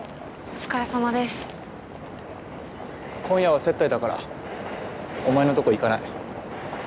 今夜は接待だからお前のとこ行かない。